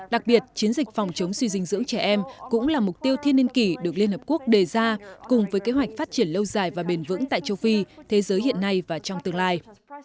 đặc biệt chiến dịch phòng chống suy dinh dưỡng trẻ em cũng là mục tiêu thiên niên kỷ được liên hợp quốc đề ra cùng với kế hoạch phát triển lâu dài và bền vững tại châu phi thế giới hiện nay và trong tương lai